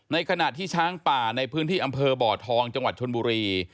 ในขณะที่ช้างป่าในพื้นที่อำเภอบ่อทองจังหวัดชนบุรี